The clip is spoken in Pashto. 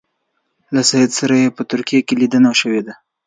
له سید سره یې په ترکیه کې لیدنه شوې ده.